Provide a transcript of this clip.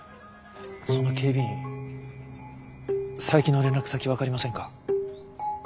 その警備員佐伯の連絡先分かりませんか？